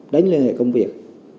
đánh lệ công việc